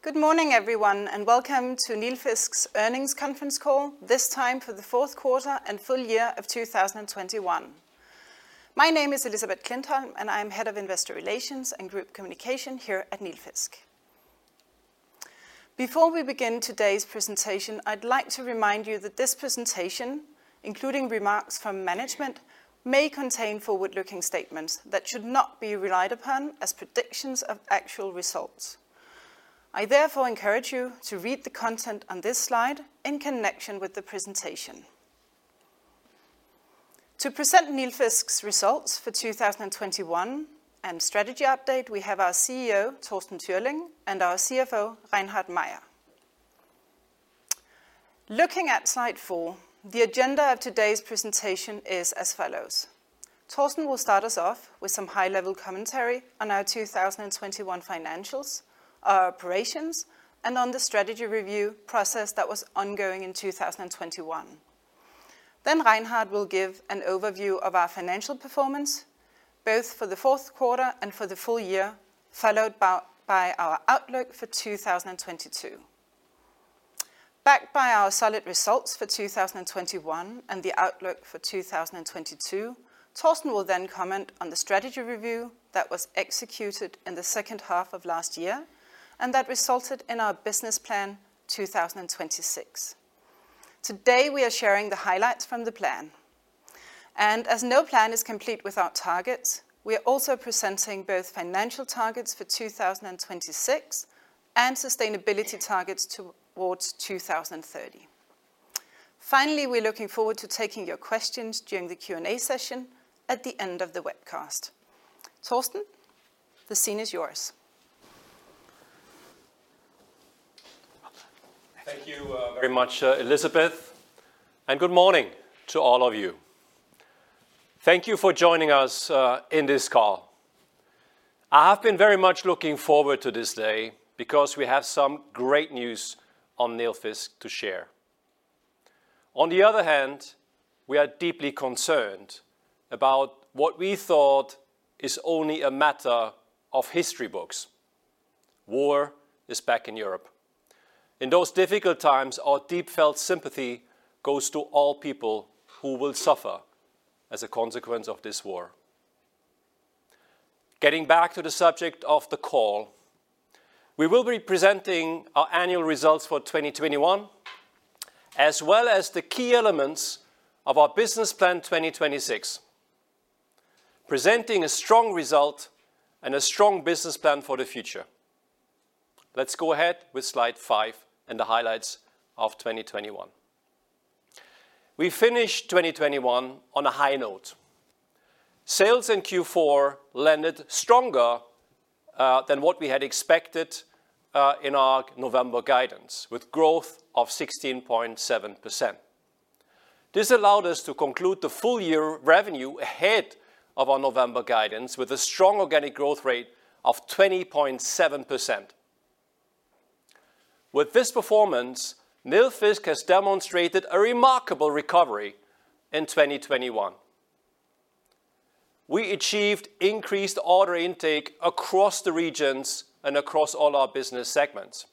Good morning, everyone, and welcome to Nilfisk's Earnings Conference Call, this time for the fourth quarter and full year of 2021. My name is Elisabeth Klintholm, and I'm Head of Investor Relations and Group Communication here at Nilfisk. Before we begin today's presentation, I'd like to remind you that this presentation, including remarks from management, may contain forward-looking statements that should not be relied upon as predictions of actual results. I therefore encourage you to read the content on this slide in connection with the presentation. To present Nilfisk's results for 2021 and strategy update, we have our CEO, Torsten Türling, and our CFO, Reinhard Mayer. Looking at slide four, the agenda of today's presentation is as follows. Torsten will start us off with some high-level commentary on our 2021 financials, our operations, and on the strategy review process that was ongoing in 2021. Then Reinhard will give an overview of our financial performance, both for the fourth quarter and for the full year, followed by our outlook for 2022. Backed by our solid results for 2021 and the outlook for 2022, Torsten will then comment on the strategy review that was executed in the second half of last year and that resulted in our Business Plan 2026. Today, we are sharing the highlights from the plan. As no plan is complete without targets, we are also presenting both financial targets for 2026 and sustainability targets towards 2030. Finally, we're looking forward to taking your questions during the Q&A session at the end of the webcast. Torsten, the scene is yours. Thank you, very much, Elisabeth. Good morning to all of you. Thank you for joining us in this call. I have been very much looking forward to this day because we have some great news on Nilfisk to share. On the other hand, we are deeply concerned about what we thought is only a matter of history books. War is back in Europe. In those difficult times, our deep-felt sympathy goes to all people who will suffer as a consequence of this war. Getting back to the subject of the call, we will be presenting our annual results for 2021, as well as the key elements of our Business Plan 2026, presenting a strong result and a strong business plan for the future. Let's go ahead with slide five and the highlights of 2021. We finished 2021 on a high note. Sales in Q4 landed stronger than what we had expected in our November guidance, with growth of 16.7%. This allowed us to conclude the full year revenue ahead of our November guidance with a strong organic growth rate of 20.7%. With this performance, Nilfisk has demonstrated a remarkable recovery in 2021. We achieved increased order intake across the regions and across all our business segments,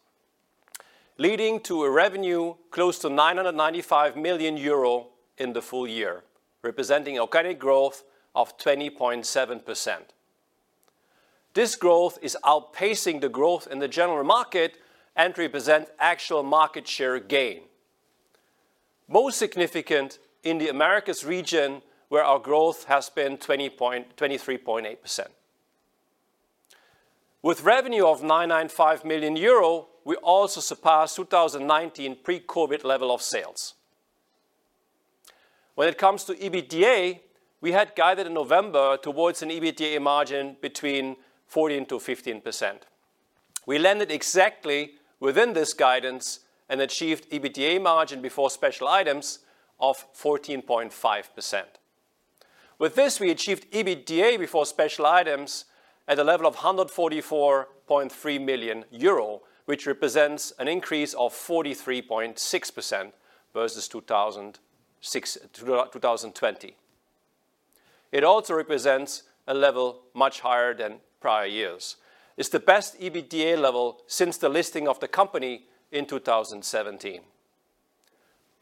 leading to a revenue close to 995 million euro in the full year, representing organic growth of 20.7%. This growth is outpacing the growth in the general market and represent actual market share gain. Most significant in the Americas region, where our growth has been 23.8%. With revenue of 995 million euro, we also surpassed 2019 pre-COVID level of sales. When it comes to EBITDA, we had guided in November towards an EBITDA margin between 14%-15%. We landed exactly within this guidance and achieved EBITDA margin before special items of 14.5%. With this, we achieved EBITDA before special items at a level of 144.3 million euro, which represents an increase of 43.6% versus 2020. It also represents a level much higher than prior years. It's the best EBITDA level since the listing of the company in 2017.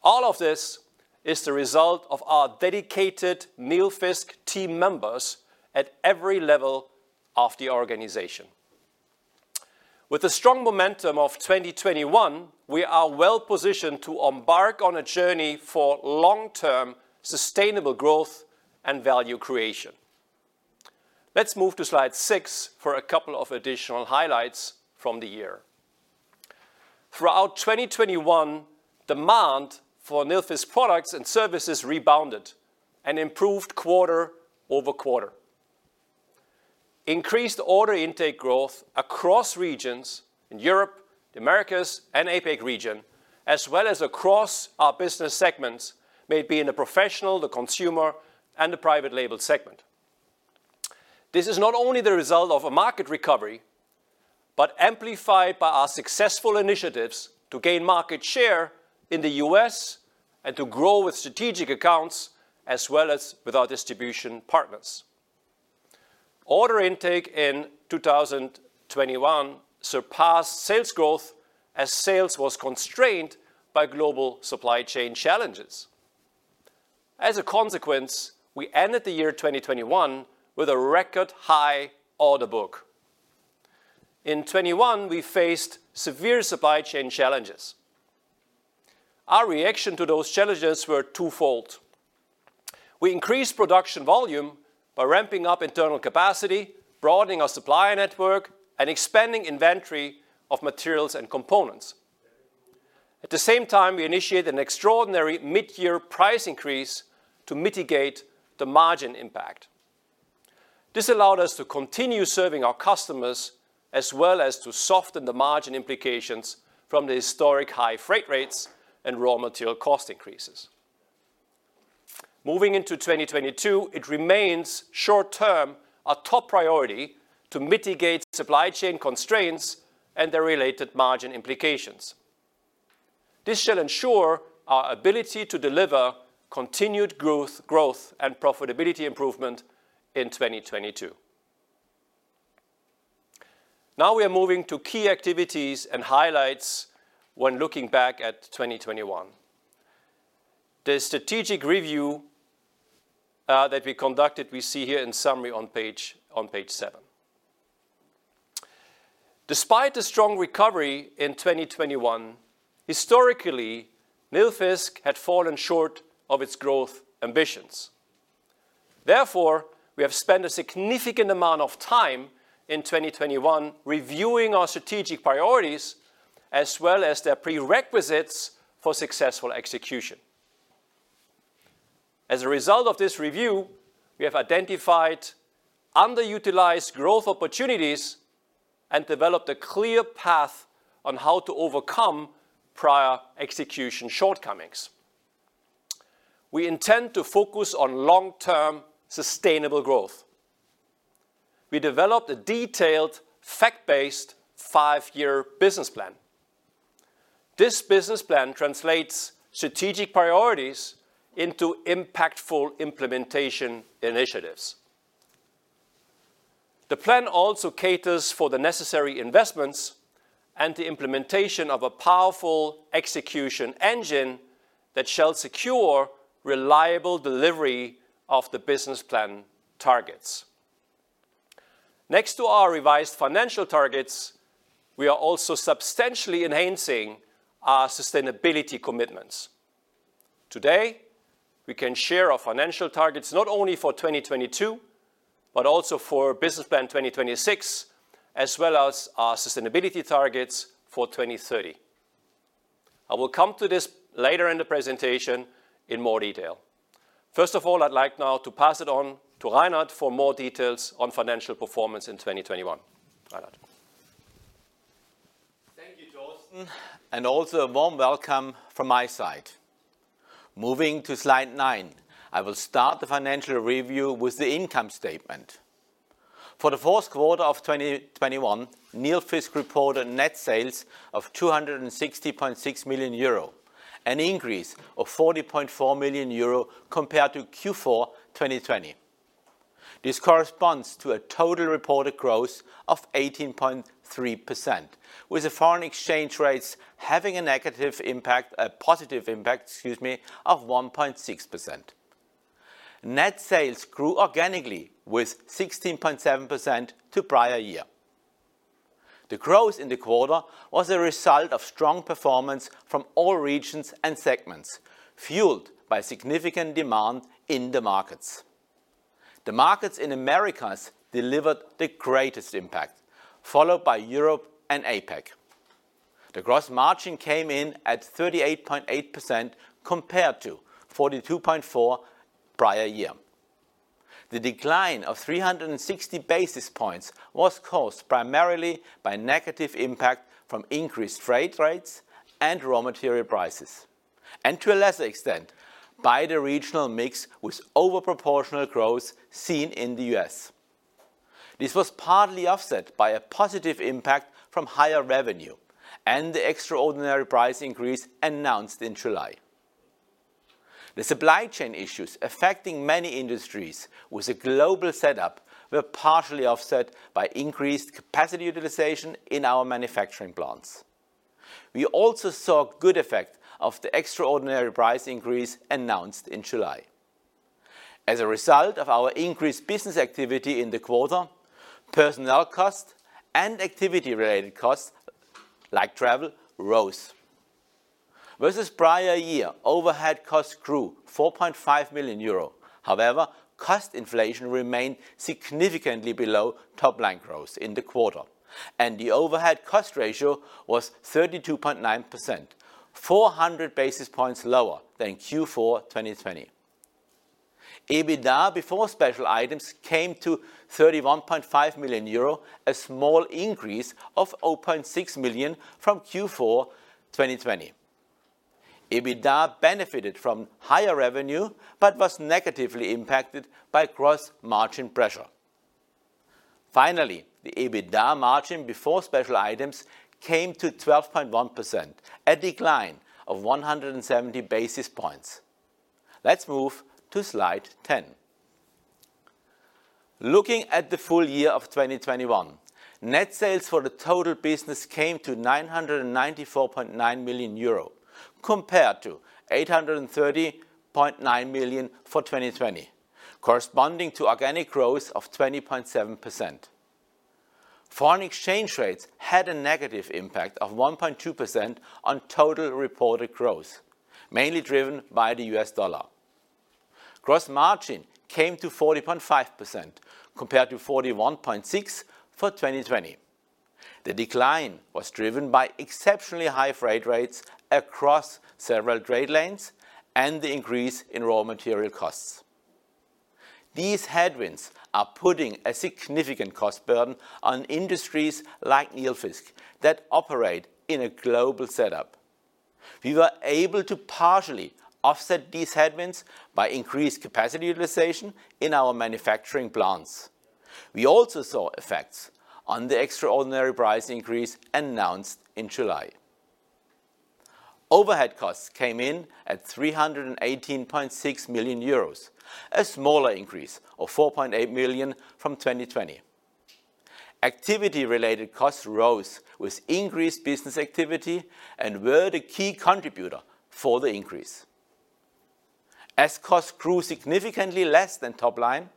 All of this is the result of our dedicated Nilfisk team members at every level of the organization. With the strong momentum of 2021, we are well-positioned to embark on a journey for long-term sustainable growth and value creation. Let's move to slide six for a couple of additional highlights from the year. Throughout 2021, demand for Nilfisk products and services rebounded and improved quarter over quarter. Increased order intake growth across regions in Europe, the Americas, and APAC region, as well as across our business segments, may it be in the professional, the consumer, and the private label segment. This is not only the result of a market recovery but amplified by our successful initiatives to gain market share in the U.S. and to grow with strategic accounts as well as with our distribution partners. Order intake in 2021 surpassed sales growth as sales was constrained by global supply chain challenges. As a consequence, we ended the year 2021 with a record high order book. In 2021, we faced severe supply chain challenges. Our reaction to those challenges were twofold. We increased production volume by ramping up internal capacity, broadening our supplier network, and expanding inventory of materials and components. At the same time, we initiated an extraordinary mid-year price increase to mitigate the margin impact. This allowed us to continue serving our customers as well as to soften the margin implications from the historic high freight rates and raw material cost increases. Moving into 2022, it remains short-term our top priority to mitigate supply chain constraints and their related margin implications. This shall ensure our ability to deliver continued growth and profitability improvement in 2022. Now we are moving to key activities and highlights when looking back at 2021. The strategic review that we conducted, we see here in summary on page seven. Despite the strong recovery in 2021, historically, Nilfisk had fallen short of its growth ambitions. Therefore, we have spent a significant amount of time in 2021 reviewing our strategic priorities as well as their prerequisites for successful execution. As a result of this review, we have identified underutilized growth opportunities and developed a clear path on how to overcome prior execution shortcomings. We intend to focus on long-term sustainable growth. We developed a detailed, fact-based five-year business plan. This business plan translates strategic priorities into impactful implementation initiatives. The plan also caters for the necessary investments and the implementation of a powerful execution engine that shall secure reliable delivery of the business plan targets. Next to our revised financial targets, we are also substantially enhancing our sustainability commitments. Today, we can share our financial targets not only for 2022, but also for Business Plan 2026, as well as our sustainability targets for 2030. I will come to this later in the presentation in more detail. First of all, I'd like now to pass it on to Reinhard for more details on financial performance in 2021. Reinhard. Thank you, Torsten, and also a warm welcome from my side. Moving to slide nine, I will start the financial review with the income statement. For the fourth quarter of 2021, Nilfisk reported net sales of 260.6 million euro, an increase of 40.4 million euro compared to Q4 2020. This corresponds to a total reported growth of 18.3%, with the foreign exchange rates having a positive impact, excuse me, of 1.6%. Net sales grew organically with 16.7% to prior year. The growth in the quarter was a result of strong performance from all regions and segments, fueled by significant demand in the markets. The markets in Americas delivered the greatest impact, followed by Europe and APAC. The gross margin came in at 38.8% compared to 42.4% prior year. The decline of 360 basis points was caused primarily by negative impact from increased freight rates and raw material prices, and to a lesser extent, by the regional mix with over proportional growth seen in the U.S. This was partly offset by a positive impact from higher revenue and the extraordinary price increase announced in July. The supply chain issues affecting many industries with a global setup were partially offset by increased capacity utilization in our manufacturing plants. We also saw good effect of the extraordinary price increase announced in July. As a result of our increased business activity in the quarter, personnel costs and activity-related costs, like travel, rose. Versus prior year, overhead costs grew 4.5 million euro. However, cost inflation remained significantly below top line growth in the quarter, and the overhead cost ratio was 32.9%, 400 basis points lower than Q4 2020. EBITDA before special items came to 31.5 million euro, a small increase of 0.6 million from Q4 2020. EBITDA benefited from higher revenue but was negatively impacted by cross-margin pressure. Finally, the EBITDA margin before special items came to 12.1%, a decline of 170 basis points. Let's move to slide 10. Looking at the full year of 2021, net sales for the total business came to 994.9 million euro, compared to 830.9 million for 2020, corresponding to organic growth of 20.7%. Foreign exchange rates had a negative impact of 1.2% on total reported growth, mainly driven by the US dollar. Gross margin came to 40.5% compared to 41.6% for 2020. The decline was driven by exceptionally high freight rates across several trade lanes and the increase in raw material costs. These headwinds are putting a significant cost burden on industries like Nilfisk that operate in a global setup. We were able to partially offset these headwinds by increased capacity utilization in our manufacturing plants. We also saw effects on the extraordinary price increase announced in July. Overhead costs came in at 318.6 million euros, a smaller increase of 4.8 million from 2020. Activity-related costs rose with increased business activity and were the key contributor for the increase. As costs grew significantly less than top line,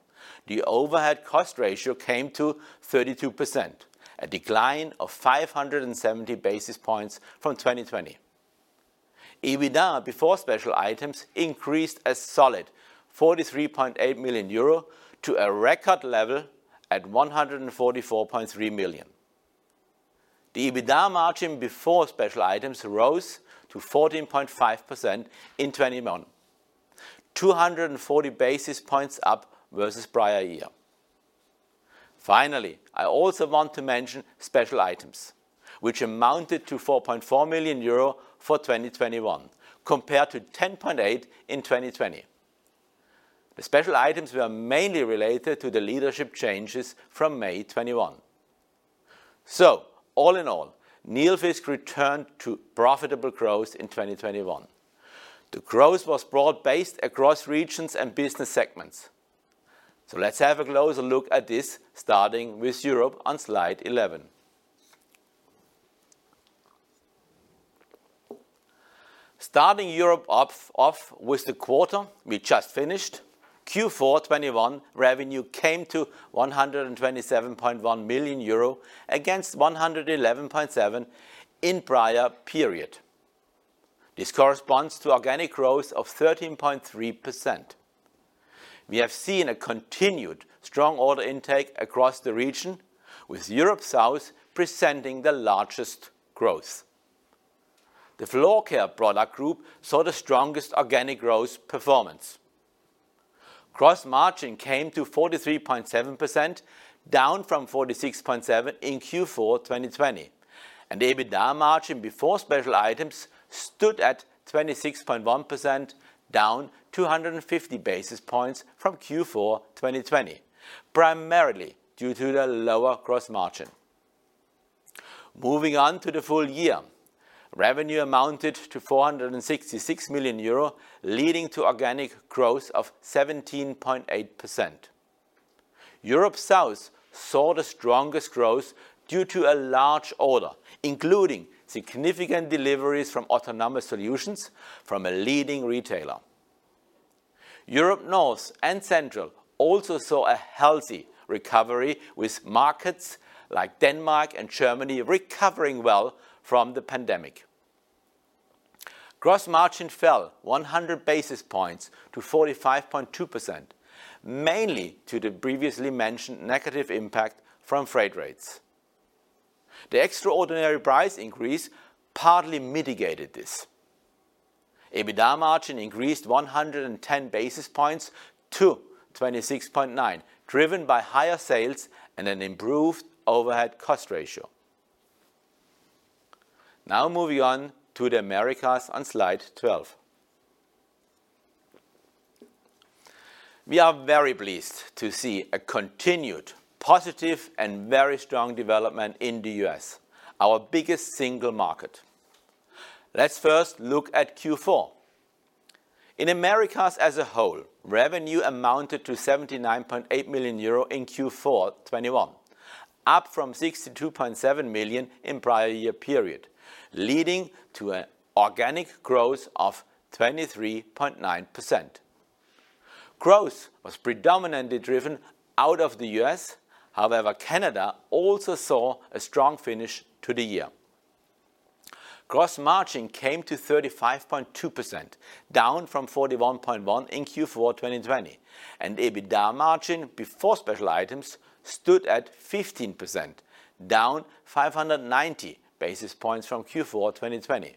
the overhead cost ratio came to 32%, a decline of 570 basis points from 2020. EBITDA before special items increased a solid 43.8 million euro to a record level at 144.3 million. The EBITDA margin before special items rose to 14.5% in 2021, 240 basis points up versus prior year. Finally, I also want to mention special items, which amounted to 4.4 million euro for 2021 compared to 10.8 million in 2020. The special items were mainly related to the leadership changes from May 2021. All in all, Nilfisk returned to profitable growth in 2021. The growth was broad-based across regions and business segments. Let's have a closer look at this, starting with Europe on slide 11. Starting Europe off with the quarter we just finished, Q4 2021 revenue came to 127.1 million euro against 111.7 million in prior period. This corresponds to organic growth of 13.3%. We have seen a continued strong order intake across the region, with Europe South presenting the largest growth. The floor care product group saw the strongest organic growth performance. Gross margin came to 43.7%, down from 46.7% in Q4 2020, and EBITDA margin before special items stood at 26.1%, down 250 basis points from Q4 2020, primarily due to the lower gross margin. Moving on to the full year, revenue amounted to 466 million euro, leading to organic growth of 17.8%. Europe South saw the strongest growth due to a large order, including significant deliveries from autonomous solutions from a leading retailer. Europe North and Central also saw a healthy recovery, with markets like Denmark and Germany recovering well from the pandemic. Gross margin fell 100 basis points to 45.2%, mainly due to the previously mentioned negative impact from freight rates. The extraordinary price increase partly mitigated this. EBITDA margin increased 110 basis points to 26.9%, driven by higher sales and an improved overhead cost ratio. Now moving on to the Americas on slide 12. We are very pleased to see a continued positive and very strong development in the U.S., our biggest single market. Let's first look at Q4. In the Americas as a whole, revenue amounted to 79.8 million euro in Q4 2021, up from 62.7 million in prior year period, leading to an organic growth of 23.9%. Growth was predominantly driven out of the U.S. However, Canada also saw a strong finish to the year. Gross margin came to 35.2%, down from 41.1% in Q4 2020, and EBITDA margin before special items stood at 15%, down 590 basis points from Q4 2020.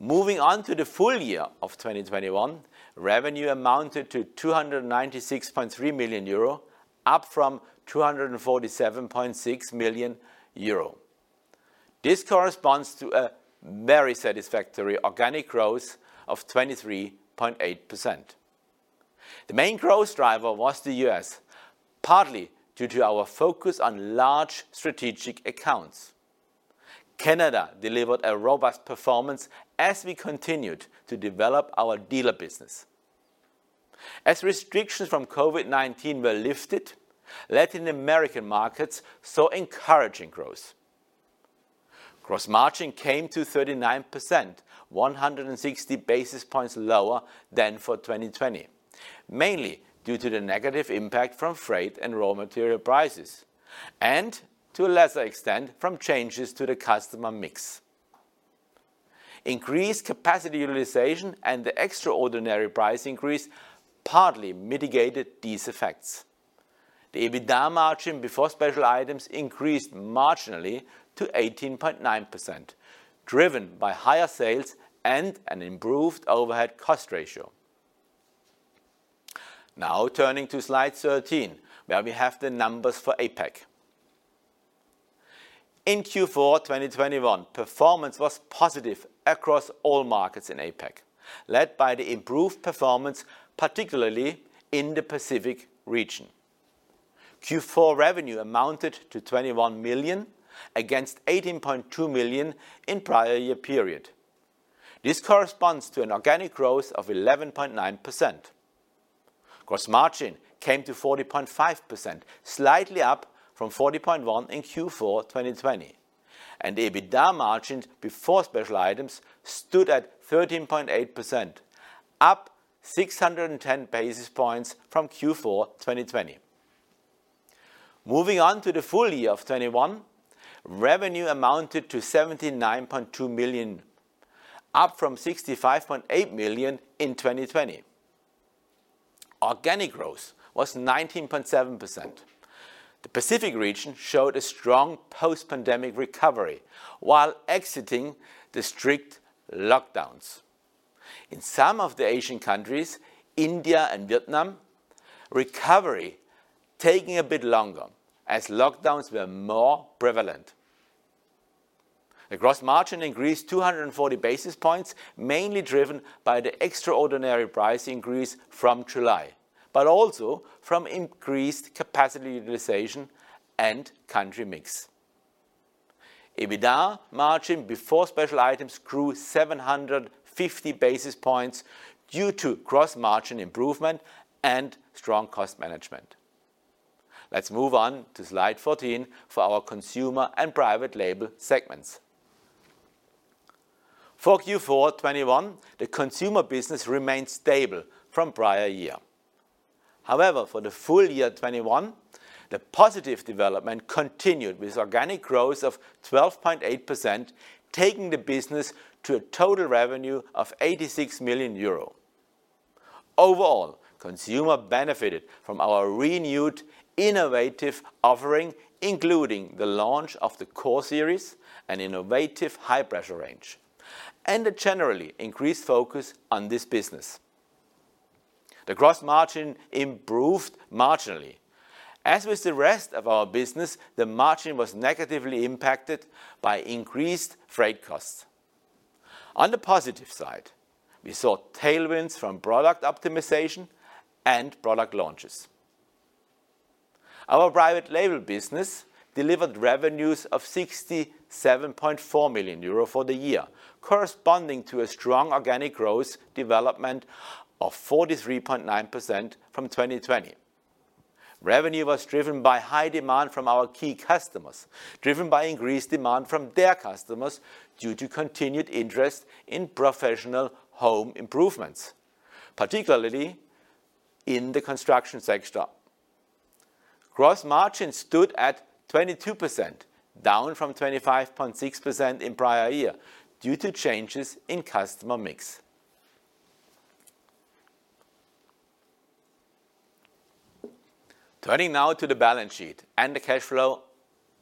Moving on to the full year of 2021, revenue amounted to 296.3 million euro, up from 247.6 million euro. This corresponds to a very satisfactory organic growth of 23.8%. The main growth driver was the U.S., partly due to our focus on large strategic accounts. Canada delivered a robust performance as we continued to develop our dealer business. As restrictions from COVID-19 were lifted, Latin American markets saw encouraging growth. Gross margin came to 39%, 160 basis points lower than for 2020, mainly due to the negative impact from freight and raw material prices and to a lesser extent from changes to the customer mix. Increased capacity utilization and the extraordinary price increase partly mitigated these effects. The EBITDA margin before special items increased marginally to 18.9%, driven by higher sales and an improved overhead cost ratio. Now turning to slide 13, where we have the numbers for APAC. In Q4 2021, performance was positive across all markets in APAC, led by the improved performance, particularly in the Pacific region. Q4 revenue amounted to 21 million against 18.2 million in prior year period. This corresponds to an organic growth of 11.9%. Gross margin came to 40.5%, slightly up from 40.1% in Q4 2020. The EBITDA margin before special items stood at 13.8%, up 610 basis points from Q4 2020. Moving on to the full year of 2021, revenue amounted to 79.2 million, up from 65.8 million in 2020. Organic growth was 19.7%. The Pacific region showed a strong post-pandemic recovery while exiting the strict lockdowns. In some of the Asian countries, India and Vietnam, recovery taking a bit longer as lockdowns were more prevalent. The gross margin increased 240 basis points, mainly driven by the extraordinary price increase from July, but also from increased capacity utilization and country mix. EBITDA margin before special items grew 750 basis points due to gross margin improvement and strong cost management. Let's move on to slide 14 for our consumer and private label segments. For Q4 2021, the consumer business remained stable from prior year. However, for the full year 2021, the positive development continued, with organic growth of 12.8% taking the business to a total revenue of 86 million euro. Overall, consumer benefited from our renewed innovative offering, including the launch of the Core series and innovative high-pressure range, and a generally increased focus on this business. The gross margin improved marginally. As with the rest of our business, the margin was negatively impacted by increased freight costs. On the positive side, we saw tailwinds from product optimization and product launches. Our private label business delivered revenues of 67.4 million euro for the year, corresponding to a strong organic growth development of 43.9% from 2020. Revenue was driven by high demand from our key customers, driven by increased demand from their customers due to continued interest in professional home improvements, particularly in the construction sector. Gross margin stood at 22%, down from 25.6% in prior year due to changes in customer mix. Turning now to the balance sheet and the cash flow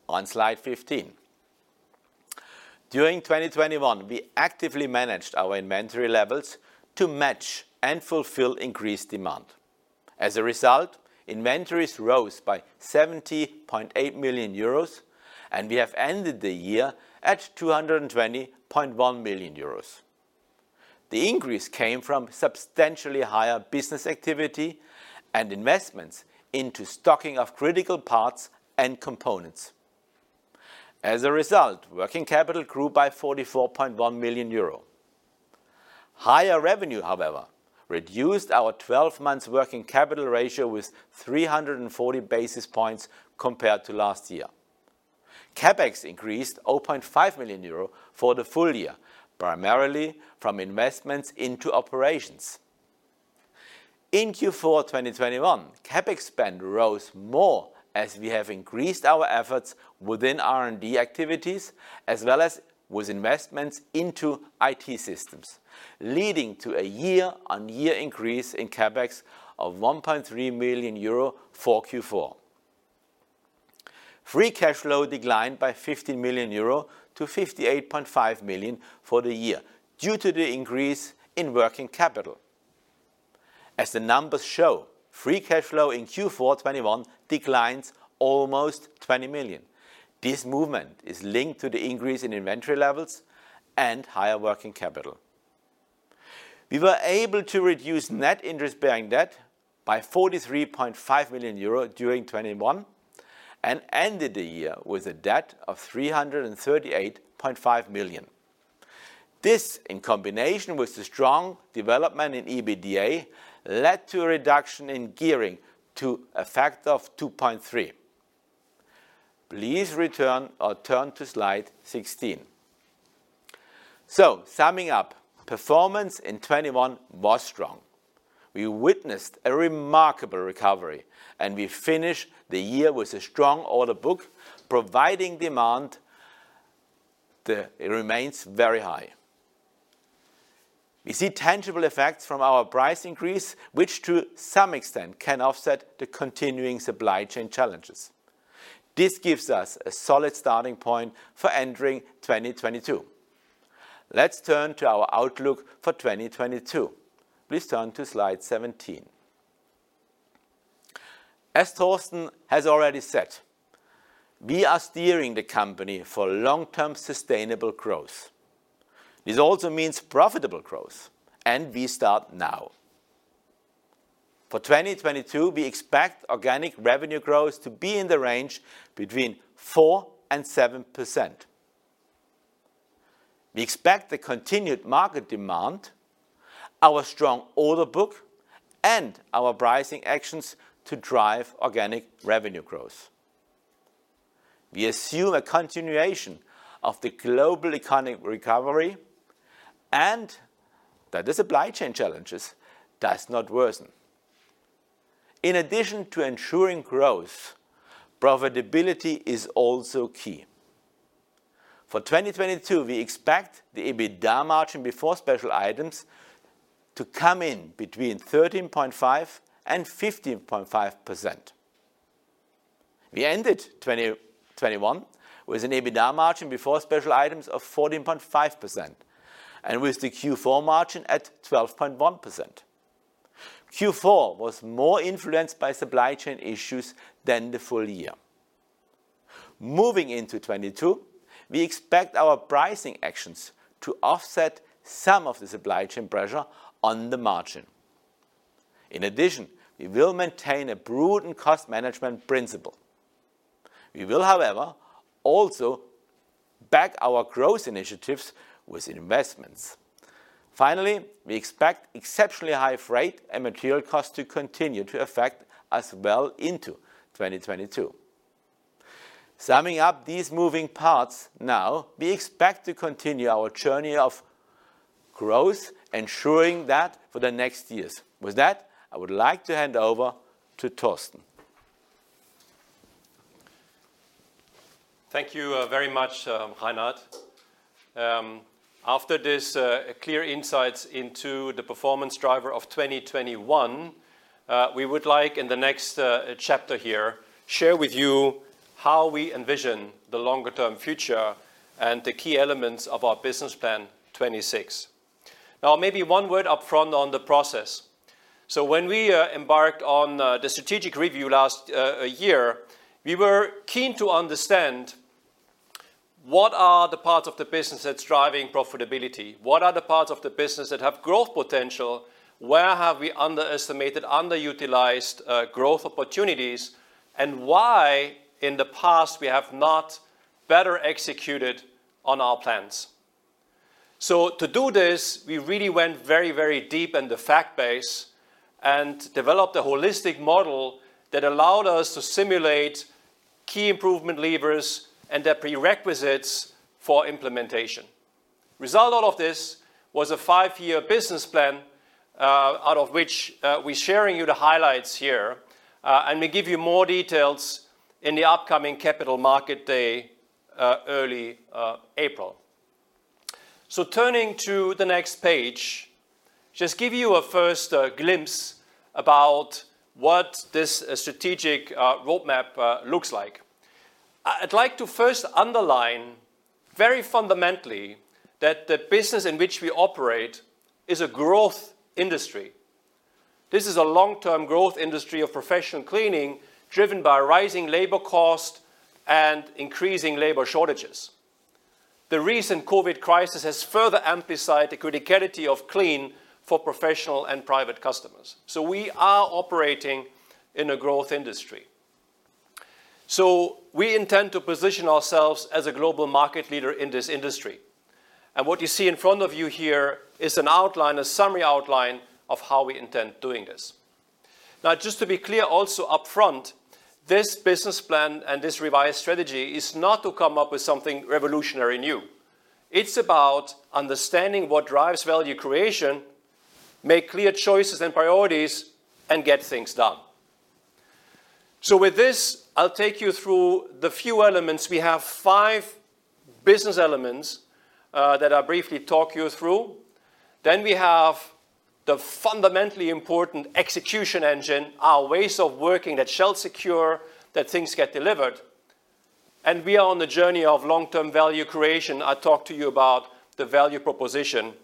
on slide 15. During 2021, we actively managed our inventory levels to match and fulfill increased demand. As a result, inventories rose by 70.8 million euros and we have ended the year at 220.1 million euros. The increase came from substantially higher business activity and investments into stocking of critical parts and components. As a result, working capital grew by 44.1 million euro. Higher revenue, however, reduced our 12 months working capital ratio with 340 basis points compared to last year. CapEx increased 0.5 million euro for the full year, primarily from investments into operations. In Q4 2021, CapEx spend rose more as we have increased our efforts within R&D activities as well as with investments into IT systems, leading to a year-on-year increase in CapEx of 1.3 million euro for Q4. Free cash flow declined by 50 million-58.5 million euro for the year due to the increase in working capital. As the numbers show, free cash flow in Q4 2021 declines almost 20 million. This movement is linked to the increase in inventory levels and higher working capital. We were able to reduce net interest-bearing debt by 43.5 million euro during 2021 and ended the year with a debt of 338.5 million. This, in combination with the strong development in EBITDA, led to a reduction in gearing to a factor of 2.3. Please return or turn to Slide 16. Summing up, performance in 2021 was strong. We witnessed a remarkable recovery, and we finish the year with a strong order book, providing demand, it remains very high. We see tangible effects from our price increase, which to some extent can offset the continuing supply chain challenges. This gives us a solid starting point for entering 2022. Let's turn to our outlook for 2022. Please turn to Slide 17. As Torsten has already said, we are steering the company for long-term sustainable growth. This also means profitable growth, and we start now. For 2022, we expect organic revenue growth to be in the range between 4% and 7%. We expect the continued market demand, our strong order book, and our pricing actions to drive organic revenue growth. We assume a continuation of the global economic recovery and that the supply chain challenges do not worsen. In addition to ensuring growth, profitability is also key. For 2022, we expect the EBITDA margin before special items to come in between 13.5% and 15.5%. We ended 2021 with an EBITDA margin before special items of 14.5%, and with the Q4 margin at 12.1%. Q4 was more influenced by supply chain issues than the full year. Moving into 2022, we expect our pricing actions to offset some of the supply chain pressure on the margin. In addition, we will maintain a prudent cost management principle. We will, however, also back our growth initiatives with investments. Finally, we expect exceptionally high freight and material costs to continue to affect us well into 2022. Summing up these moving parts now, we expect to continue our journey of growth, ensuring that for the next years. With that, I would like to hand over to Torsten. Thank you, very much, Reinhard. After this clear insights into the performance driver of 2021, we would like in the next chapter here share with you how we envision the longer-term future and the key elements of our Business Plan 2026. Now, maybe one word upfront on the process. When we embarked on the strategic review last year, we were keen to understand what are the parts of the business that's driving profitability? What are the parts of the business that have growth potential? Where have we underestimated underutilized growth opportunities? And why in the past we have not better executed on our plans. To do this, we really went very, very deep in the fact base and developed a holistic model that allowed us to simulate key improvement levers and their prerequisites for implementation. result out of this was a five-year business plan, out of which we're sharing with you the highlights here. We give you more details in the upcoming Capital Markets Day, early April. Turning to the next page, just to give you a first glimpse about what this strategic roadmap looks like. I'd like to first underline very fundamentally that the business in which we operate is a growth industry. This is a long-term growth industry of professional cleaning, driven by rising labor cost and increasing labor shortages. The recent COVID crisis has further emphasized the criticality of clean for professional and private customers. We are operating in a growth industry. We intend to position ourselves as a global market leader in this industry. What you see in front of you here is an outline, a summary outline, of how we intend doing this. Now, just to be clear also upfront, this business plan and this revised strategy is not to come up with something revolutionary new. It's about understanding what drives value creation, make clear choices and priorities, and get things done. With this, I'll take you through the few elements. We have five business elements that I'll briefly talk you through. Then we have the fundamentally important execution engine, our ways of working that shall secure that things get delivered. We are on the journey of long-term value creation. I talked to you about the value proposition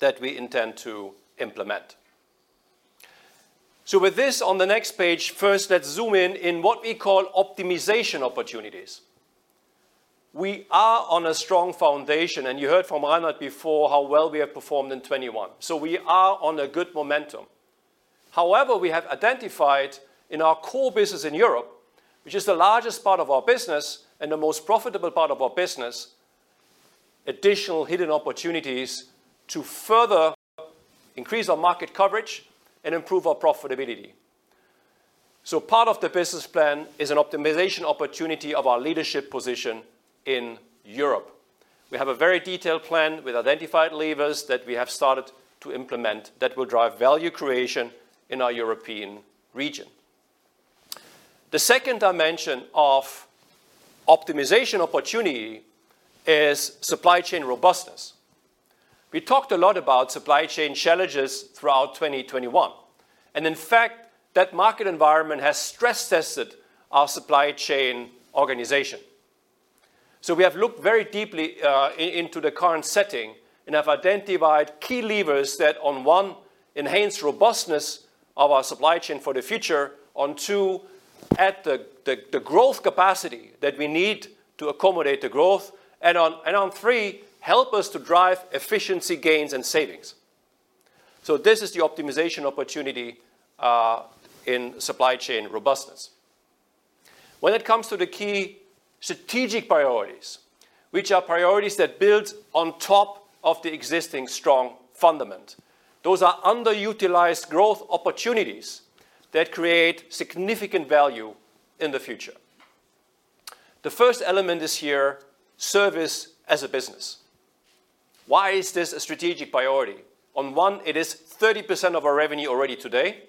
that we intend to implement. With this, on the next page, first let's zoom in on what we call optimization opportunities. We are on a strong foundation, and you heard from Reinhard before how well we have performed in 2021. We are on a good momentum. However, we have identified in our core business in Europe, which is the largest part of our business and the most profitable part of our business, additional hidden opportunities to further increase our market coverage and improve our profitability. Part of the business plan is an optimization opportunity of our leadership position in Europe. We have a very detailed plan with identified levers that we have started to implement that will drive value creation in our European region. The second dimension of optimization opportunity is supply chain robustness. We talked a lot about supply chain challenges throughout 2021, and in fact, that market environment has stress tested our supply chain organization. We have looked very deeply into the current setting and have identified key levers that on one, enhance robustness of our supply chain for the future. On two, add the growth capacity that we need to accommodate the growth. On three, help us to drive efficiency gains and savings. This is the optimization opportunity in supply chain robustness. When it comes to the key strategic priorities, which are priorities that build on top of the existing strong fundament. Those are underutilized growth opportunities that create significant value in the future. The first element is here, service as a business. Why is this a strategic priority? On one, it is 30% of our revenue already today.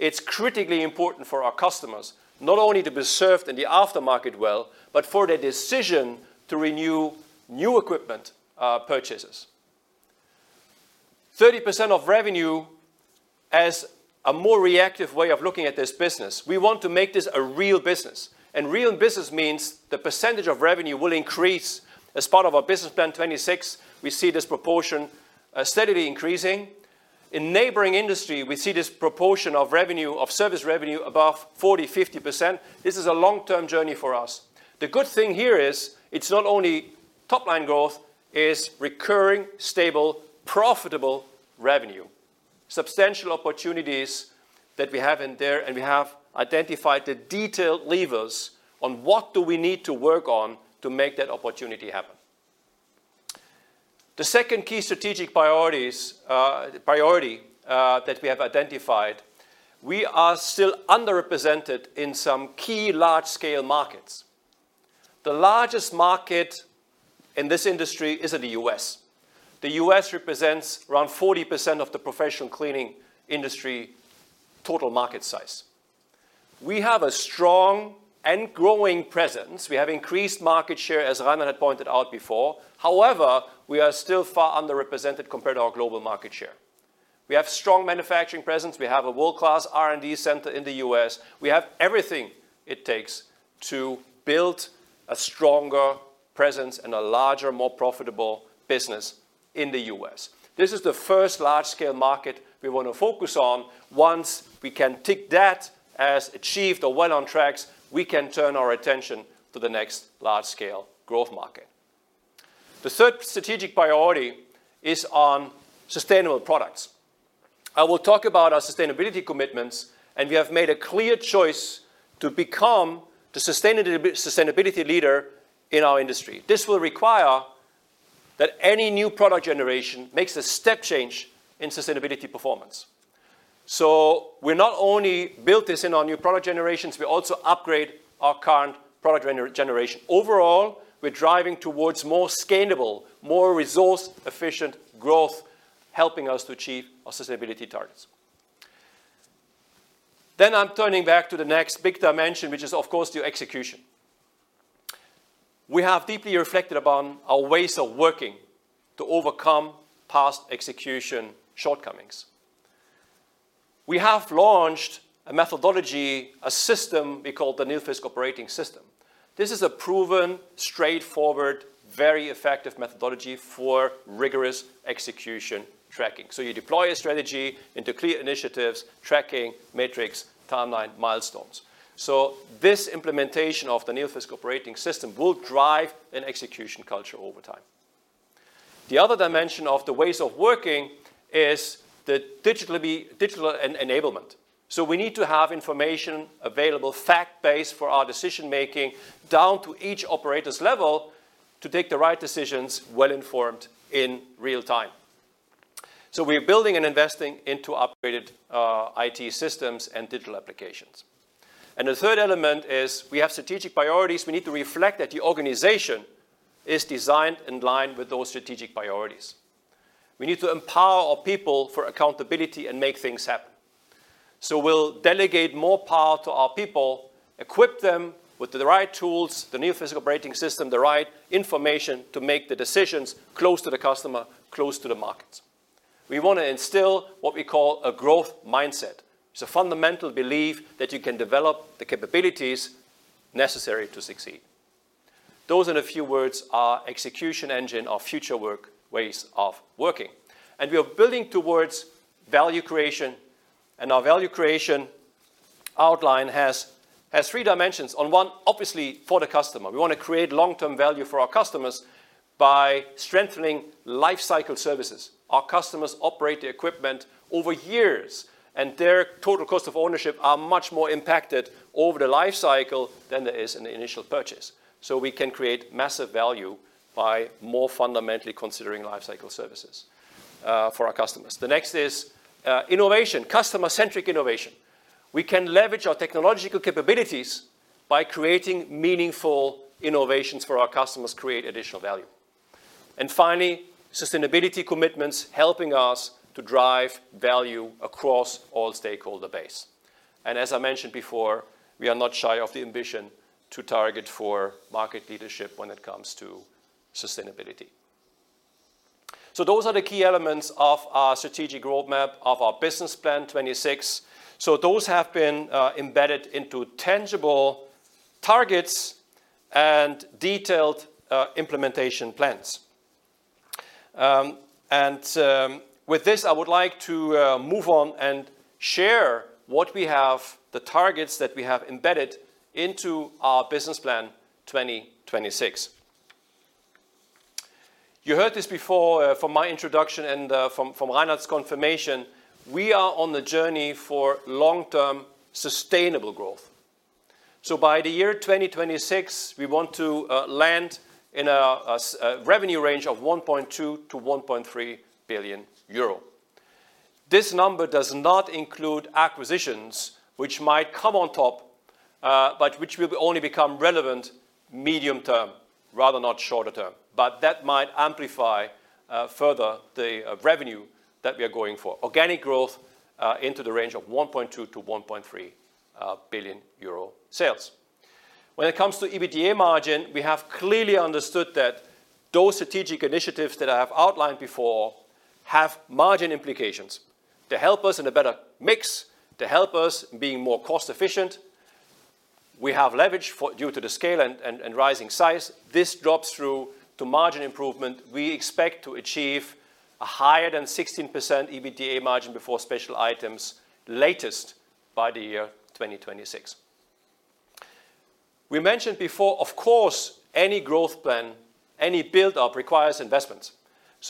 It's critically important for our customers, not only to be served in the aftermarket well, but for their decision to renew new equipment purchases. 30% of revenue as a more reactive way of looking at this business. We want to make this a real business. Real business means the percentage of revenue will increase as part of our Business Plan 2026, we see this proportion steadily increasing. In neighboring industry, we see this proportion of revenue, of service revenue above 40%, 50%. This is a long-term journey for us. The good thing here is it's not only top-line growth, it's recurring, stable, profitable revenue. Substantial opportunities that we have in there, and we have identified the detailed levers on what do we need to work on to make that opportunity happen. The second key strategic priority that we have identified, we are still underrepresented in some key large-scale markets. The largest market in this industry is in the U.S. The U.S. represents around 40% of the professional cleaning industry total market size. We have a strong and growing presence. We have increased market share, as Reinhard had pointed out before. However, we are still far underrepresented compared to our global market share. We have strong manufacturing presence. We have a world-class R&D center in the U.S. We have everything it takes to build a stronger presence and a larger, more profitable business in the U.S. This is the first large-scale market we want to focus on. Once we can tick that as achieved or well on track, we can turn our attention to the next large-scale growth market. The third strategic priority is on sustainable products. I will talk about our sustainability commitments, and we have made a clear choice to become the sustainability leader in our industry. This will require that any new product generation makes a step change in sustainability performance. We not only build this in our new product generations, we also upgrade our current product generation. Overall, we're driving towards more scalable, more resource-efficient growth, helping us to achieve our sustainability targets. I'm turning back to the next big dimension, which is, of course, the execution. We have deeply reflected upon our ways of working to overcome past execution shortcomings. We have launched a methodology, a system we call the Nilfisk Operating System. This is a proven, straightforward, very effective methodology for rigorous execution tracking. You deploy a strategy into clear initiatives, tracking metrics, timeline, milestones. This implementation of the Nilfisk Operating System will drive an execution culture over time. The other dimension of the ways of working is the digital enablement. We need to have information available, fact-based for our decision-making, down to each operator's level, to take the right decisions, well informed, in real time. We're building and investing into upgraded IT systems and digital applications. The third element is we have strategic priorities. We need to reflect that the organization is designed in line with those strategic priorities. We need to empower our people for accountability and make things happen. We'll delegate more power to our people, equip them with the right tools, the new Nilfisk Operating System, the right information to make the decisions close to the customer, close to the markets. We want to instill what we call a growth mindset. It's a fundamental belief that you can develop the capabilities necessary to succeed. Those, in a few words, are execution engine of future work, ways of working. We are building towards value creation. Our value creation outline has three dimensions. On one, obviously for the customer, we want to create long-term value for our customers by strengthening life cycle services. Our customers operate the equipment over years, and their total cost of ownership are much more impacted over the life cycle than there is in the initial purchase. We can create massive value by more fundamentally considering life cycle services, for our customers. The next is, innovation, customer-centric innovation. We can leverage our technological capabilities by creating meaningful innovations for our customers, create additional value. Finally, sustainability commitments helping us to drive value across all stakeholder base. As I mentioned before, we are not shy of the ambition to target for market leadership when it comes to sustainability. Those are the key elements of our strategic roadmap of our Business Plan 2026. Those have been embedded into tangible targets and detailed implementation plans. With this, I would like to move on and share what we have, the targets that we have embedded into our Business Plan 2026. You heard this before from my introduction and from Reinhard's confirmation. We are on the journey for long-term sustainable growth. By the year 2026, we want to land in a revenue range of 1.2 billion-1.3 billion euro. This number does not include acquisitions which might come on top, but which will only become relevant medium term rather not shorter term. That might amplify further the revenue that we are going for, organic growth, into the range of 1.2 billion-1.3 billion euro sales. When it comes to EBITDA margin, we have clearly understood that those strategic initiatives that I have outlined before have margin implications to help us in a better mix, to help us being more cost-efficient. We have leverage due to the scale and rising size. This drops through to margin improvement. We expect to achieve higher than 16% EBITDA margin before special items at the latest by 2026. We mentioned before, of course, any growth plan, any build-up requires investments.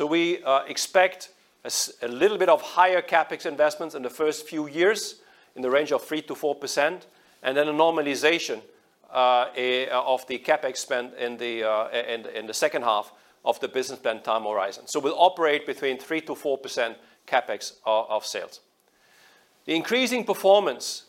We expect a little bit of higher CapEx investments in the first few years in the range of 3%-4%, and then a normalization of the CapEx spend in the second half of the business plan time horizon. We'll operate between 3%-4% CapEx of sales. The increasing performance,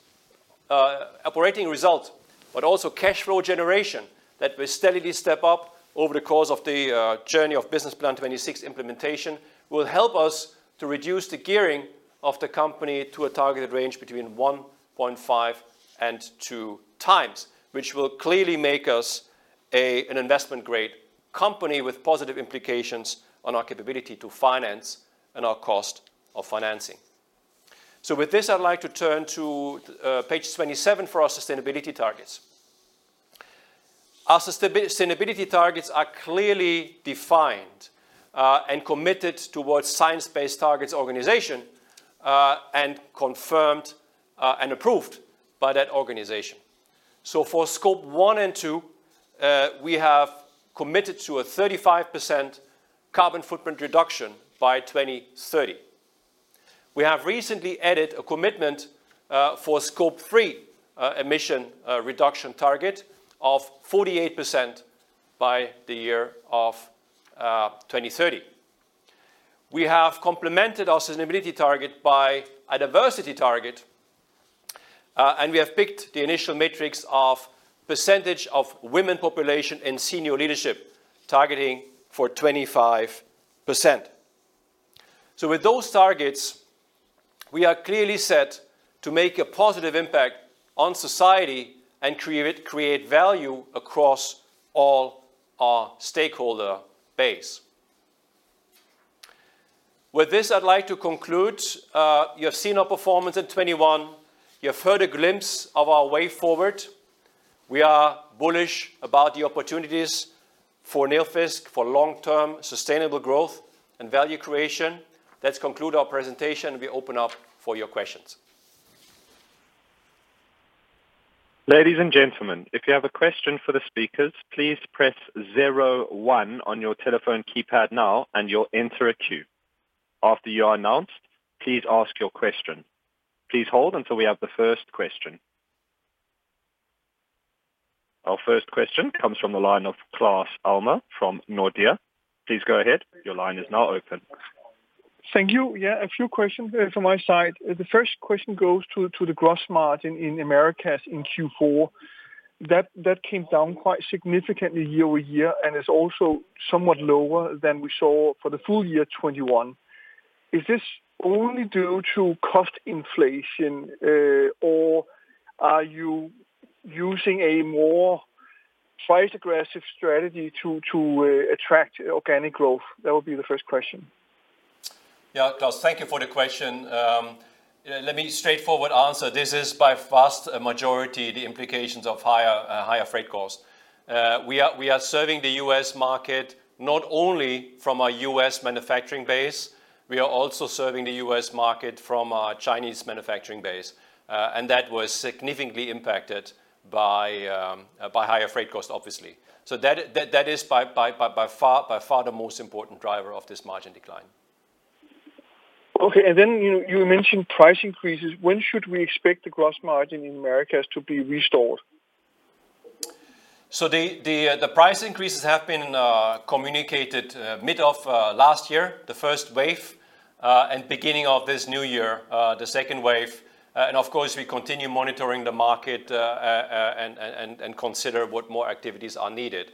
operating result, but also cash flow generation that will steadily step up over the course of the journey of Business Plan 2026 implementation, will help us to reduce the gearing of the company to a targeted range between 1.5x-2x, which will clearly make us an investment grade company with positive implications on our capability to finance and our cost of financing. With this, I'd like to turn to page 27 for our sustainability targets. Our sustainability targets are clearly defined and committed towards Science Based Targets initiative and confirmed and approved by that organization. For Scope 1 and Scope 2, we have committed to a 35% carbon footprint reduction by 2030. We have recently added a commitment for Scope 3 emission reduction target of 48% by 2030. We have complemented our sustainability target by a diversity target and we have picked the initial matrix of percentage of women population in senior leadership targeting for 25%. With those targets, we are clearly set to make a positive impact on society and create value across all our stakeholder base. With this, I'd like to conclude. You have seen our performance in 2021. You have heard a glimpse of our way forward. We are bullish about the opportunities for Nilfisk for long-term sustainable growth and value creation. Let's conclude our presentation, and we open up for your questions. Ladies and gentlemen, if you have a question for the speakers, please press zero one on your telephone keypad now, and you'll enter a queue. After you are announced, please ask your question. Please hold until we have the first question. Our first question comes from the line of Claus Almer from Nordea. Please go ahead. Your line is now open. Thank you. Yeah, a few questions from my side. The first question goes to the gross margin in Americas in Q4. That came down quite significantly year-over-year and is also somewhat lower than we saw for the full year 2021. Is this only due to cost inflation, or are you using a more price-aggressive strategy to attract organic growth? That would be the first question. Yeah, Claus, thank you for the question. Let me straightforward answer. This is by vast majority the implications of higher freight costs. We are serving the U.S. market not only from a U.S. manufacturing base, we are also serving the U.S. market from our Chinese manufacturing base. That was significantly impacted by higher freight costs, obviously. That is by far the most important driver of this margin decline. Okay. You mentioned price increases. When should we expect the gross margin in Americas to be restored? The price increases have been communicated mid of last year, the first wave. Beginning of this new year, the second wave. Of course, we continue monitoring the market and consider what more activities are needed.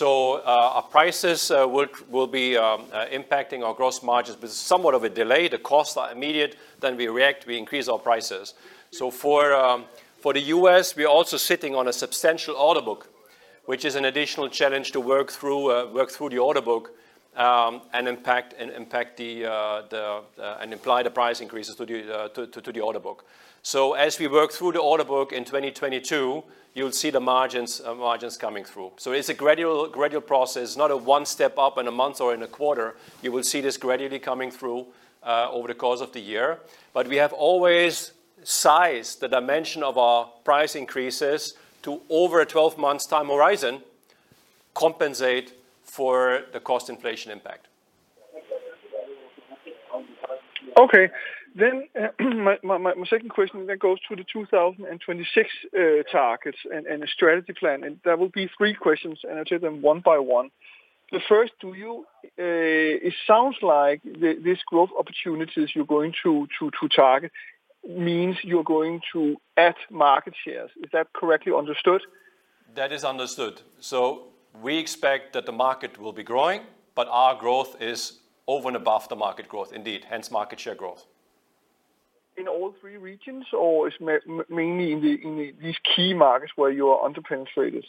Our prices will be impacting our gross margins with somewhat of a delay. The costs are immediate, then we react, we increase our prices. For the U.S., we're also sitting on a substantial order book, which is an additional challenge to work through the order book and imply the price increases to the order book. As we work through the order book in 2022, you'll see the margins coming through. It's a gradual process, not a one step up in a month or in a quarter. You will see this gradually coming through over the course of the year. We have always sized the dimension of our price increases to over a 12 months' time horizon compensate for the cost inflation impact. Okay. My second question goes to the 2026 targets and the strategy plan, and that will be three questions, and I'll take them one by one. The first, do you. It sounds like these growth opportunities you're going to target means you're going to add market shares. Is that correctly understood? That is understood. We expect that the market will be growing, but our growth is over and above the market growth, indeed, hence market share growth. In all three regions or it's mainly in these key markets where you are under-penetrated?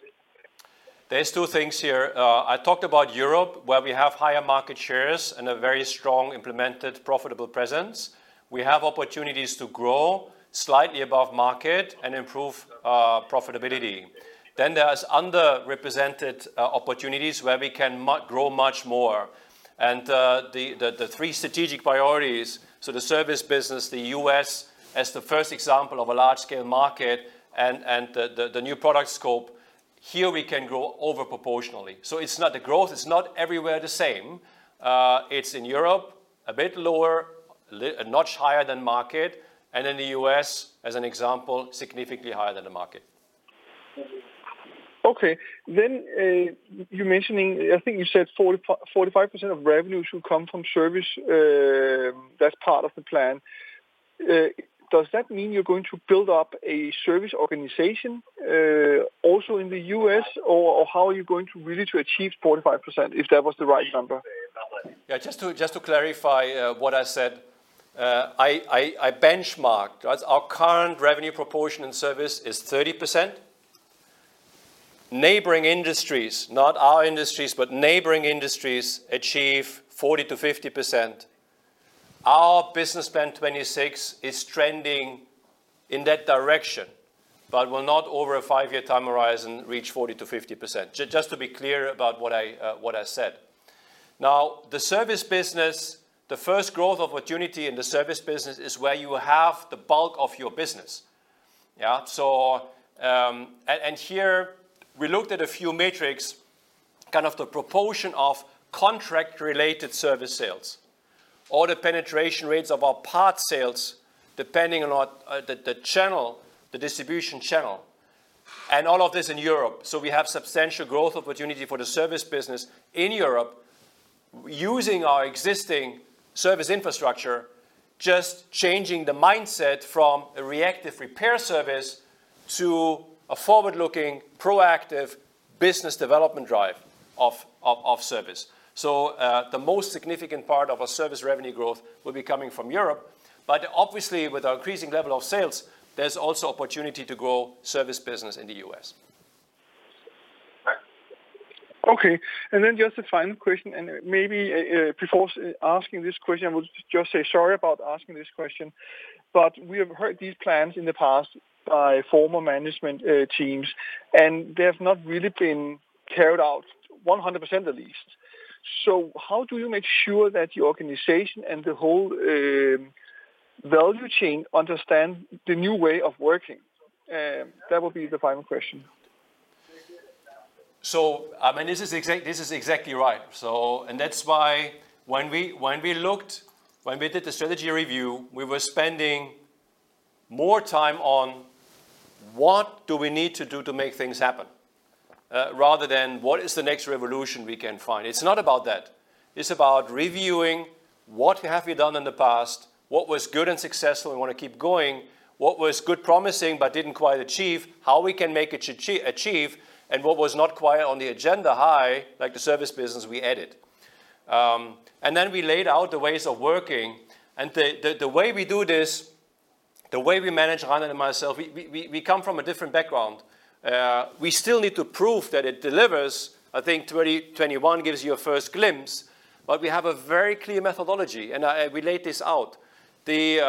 There's two things here. I talked about Europe, where we have higher market shares and a very strong implemented profitable presence. We have opportunities to grow slightly above market and improve our profitability. There is underrepresented opportunities where we can grow much more. The three strategic priorities, the service business, the U.S. as the first example of a large-scale market and the new product scope, here we can grow over proportionally. It's not the growth, it's not everywhere the same. It's in Europe, a bit lower, a notch higher than market. In the U.S., as an example, significantly higher than the market. Okay. You're mentioning, I think you said 45% of revenue should come from service, that's part of the plan. Does that mean you're going to build up a service organization, also in the U.S., or how are you going to really to achieve 45%, if that was the right number? Yeah, just to clarify what I said. I benchmarked. Our current revenue proportion in service is 30%. Neighboring industries, not our industries, but neighboring industries achieve 40%-50%. Our Business Plan 2026 is trending in that direction but will not over a five-year time horizon reach 40%-50%. Just to be clear about what I said. Now, the service business, the first growth opportunity in the service business is where you have the bulk of your business. So here we looked at a few metrics, kind of the proportion of contract-related service sales or the penetration rates of our parts sales, depending on the channel, the distribution channel. All of this in Europe. We have substantial growth opportunity for the service business in Europe using our existing service infrastructure, just changing the mindset from a reactive repair service to a forward-looking, proactive business development drive of service. The most significant part of our service revenue growth will be coming from Europe. Obviously, with our increasing level of sales, there's also opportunity to grow service business in the U.S. Okay. Just a final question, and maybe, before asking this question, I would just say sorry about asking this question, but we have heard these plans in the past by former management teams, and they have not really been carried out 100% at least. How do you make sure that your organization and the whole value chain understand the new way of working? That would be the final question. I mean, this is exactly right. That's why when we did the strategy review, we were spending more time on what we need to do to make things happen, rather than what is the next revolution we can find. It's not about that. It's about reviewing what have we done in the past, what was good and successful and want to keep going, what was good promising, but didn't quite achieve, how we can make it achieve, and what was not quite on the agenda high, like the service business we added. Then we laid out the ways of working. The way we do this, the way we manage, Reinhard and myself, we come from a different background. We still need to prove that it delivers. I think 2021 gives you a first glimpse, but we have a very clear methodology, and we laid this out. The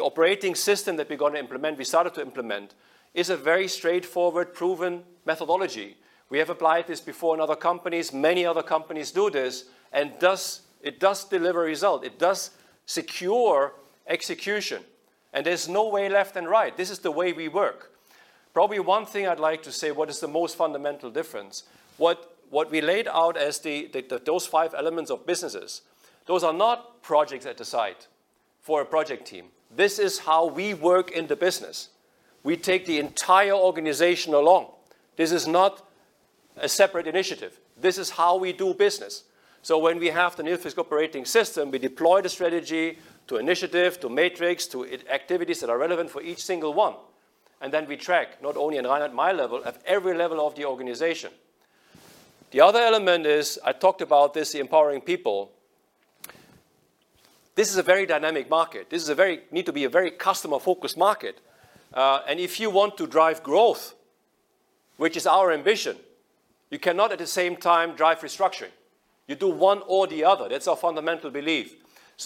operating system that we're gonna implement, we started to implement, is a very straightforward, proven methodology. We have applied this before in other companies. Many other companies do this, and it does deliver result. It does secure execution. There's no way left and right. This is the way we work. Probably one thing I'd like to say what is the most fundamental difference. What we laid out as the those five elements of businesses, those are not projects at the site for a project team. This is how we work in the business. We take the entire organization along. This is not a separate initiative. This is how we do business. When we have the new Nilfisk Operating System, we deploy the strategy to initiatives, to metrics, to IT activities that are relevant for each single one. Then we track not only on Reinhard Mayer and my level, at every level of the organization. The other element is, I talked about this, empowering people. This is a very dynamic market. It needs to be a very customer-focused market. If you want to drive growth, which is our ambition, you cannot at the same time drive restructuring. You do one or the other. That's our fundamental belief.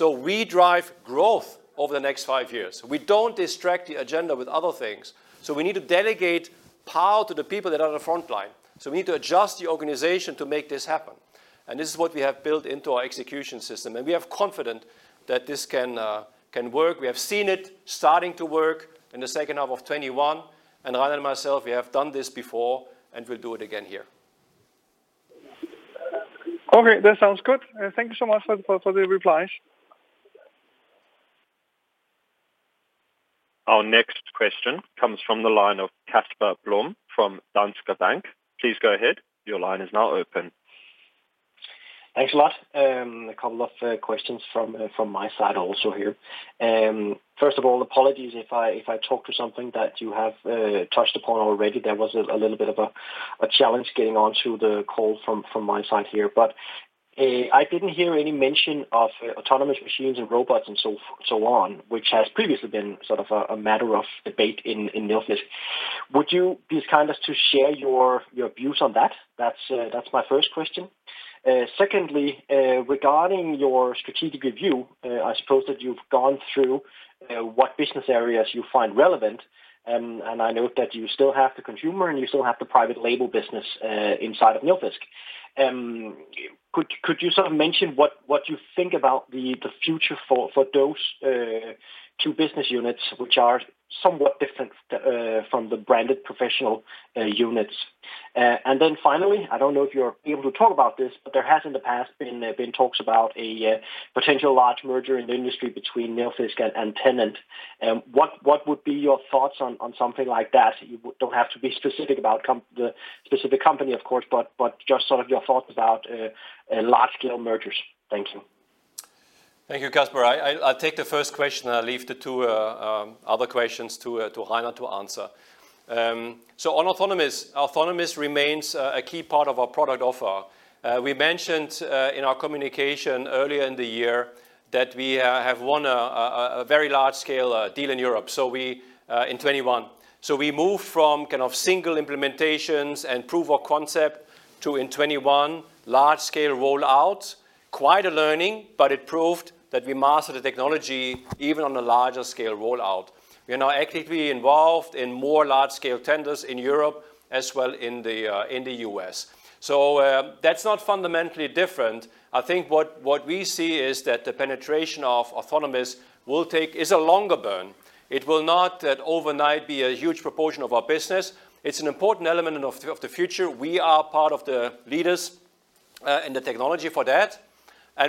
We drive growth over the next five years. We don't distract the agenda with other things. We need to delegate power to the people that are on the frontline. We need to adjust the organization to make this happen. This is what we have built into our execution system. We are confident that this can work. We have seen it starting to work in the second half of 2021. Reinhard and myself, we have done this before, and we'll do it again here. Okay, that sounds good. Thank you so much for the replies. Our next question comes from the line of Casper Blom from Danske Bank. Please go ahead. Your line is now open. Thanks a lot. A couple of questions from my side also here. First of all, apologies if I touch on something that you have touched upon already. There was a little bit of a challenge getting onto the call from my side here. But I didn't hear any mention of autonomous machines and robots and so on, which has previously been sort of a matter of debate in Nilfisk. Would you be so kind as to share your views on that? That's my first question. Secondly, regarding your strategic review, I suppose that you've gone through what business areas you find relevant. I note that you still have the consumer and you still have the private label business inside of Nilfisk. Could you sort of mention what you think about the future for those two business units, which are somewhat different from the branded professional units? Then finally, I don't know if you're able to talk about this, but there has in the past been talks about a potential large merger in the industry between Nilfisk and Tennant. What would be your thoughts on something like that? You don't have to be specific about the specific company, of course, but just sort of your thoughts about large-scale mergers. Thank you. Thank you, Casper. I'll take the first question. I'll leave the two other questions to Reinhard to answer. Autonomous remains a key part of our product offer. We mentioned in our communication earlier in the year that we have won a very large-scale deal in Europe, so we in 2021. We moved from kind of single implementations and proof of concept to in 2021 large-scale rollout. Quite a learning, but it proved that we mastered the technology even on a larger scale rollout. We're now actively involved in more large-scale tenders in Europe as well in the U.S. That's not fundamentally different. I think what we see is that the penetration of autonomous is a longer burn. It will not overnight be a huge proportion of our business. It's an important element in of the future. We are part of the leaders in the technology for that.